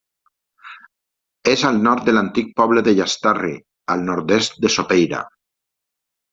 És al nord de l'antic poble de Llastarri, al nord-est de Sopeira.